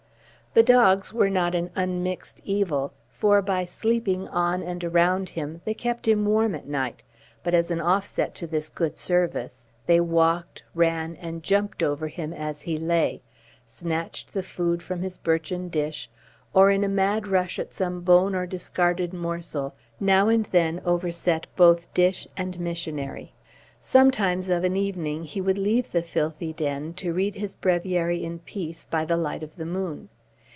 The dogs were not an unmixed evil, for, by sleeping on and around him, they kept him warm at night; but, as an offset to this good service, they walked, ran, and jumped over him as he lay, snatched the food from his birchen dish, or, in a mad rush at some bone or discarded morsel, now and then overset both dish and missionary. Sometimes of an evening he would leave the filthy den, to read his breviary in peace by the light of the moon.